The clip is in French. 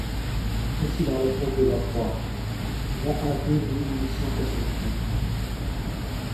Voici la réponse de Lacroix: vingt. avril mille huit cent soixante-neuf.